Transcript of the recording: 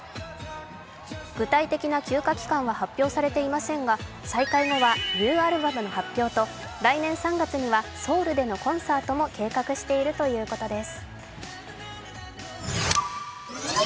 具体的な休暇期間は発表されていませんが、再開後はニューアルバムの発表と来年３月にはソウルでのコンサートも計画しているということです。